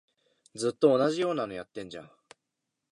ずっと同じようなのやってんじゃん